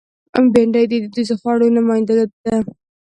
بېنډۍ د دودیزو خوړو نماینده ده